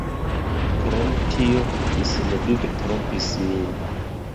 Krom tio, mi sendube trompis min.